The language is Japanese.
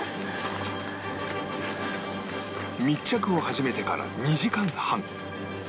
密着を始めてから２時間半